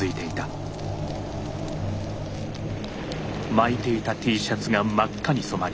巻いていたＴシャツが真っ赤に染まり